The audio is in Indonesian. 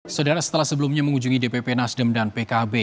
saudara setelah sebelumnya mengunjungi dpp nasdem dan pkb